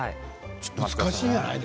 難しいんじゃない？